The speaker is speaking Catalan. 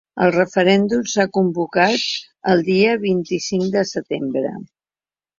El referèndum s’ha convocat el dia vint-i-cinc de setembre.